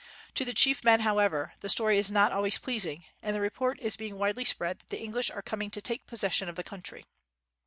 To the chief men, however, the story is not always pleasing ; and the re port is being widely spread that the English are coming to take possession of the coun try.